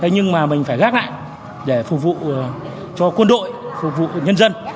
nhưng mà mình phải gác lại để phục vụ cho quân đội phục vụ nhân dân